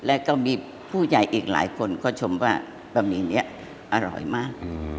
แล้วก็มีผู้ใหญ่อีกหลายคนก็ชมว่าบะหมี่นี้อร่อยมาก